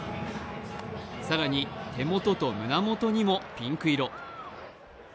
更に、手元と胸元にもピンク色。